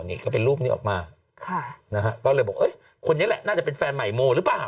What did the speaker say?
นี่ก็เป็นรูปนี้ออกมาค่ะนะฮะก็เลยบอกเอ้ยคนนี้แหละน่าจะเป็นแฟนใหม่โมหรือเปล่า